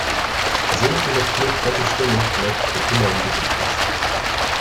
So eine penetrante Stimme bleibt für immer im Gedächtnis.